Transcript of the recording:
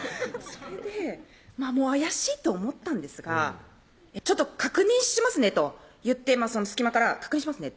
それで怪しいと思ったんですが「ちょっと確認しますね」と言ってその隙間から「確認しますね」